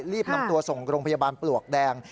รีบนำตัวส่งโรงพยาบาลปลวกแดง